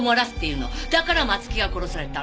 だから松木は殺された。